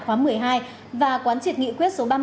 khóa một mươi hai và quán triệt nghị quyết